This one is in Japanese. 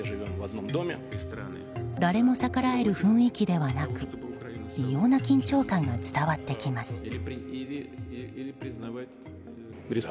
誰も逆らえる雰囲気ではなく異様な緊張感が伝わってきます。